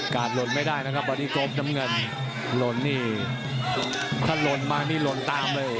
กาดหลนไม่ได้นะครับบริกรบน้ำเงินหลนนี่ถ้าหลนมานี่หลนตามเลย